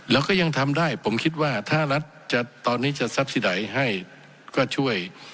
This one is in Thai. แล้วก็ยังทำได้ผมคิดว่าถ้ารัฐตอนนี้จะสับสิดัยให้ก็ช่วย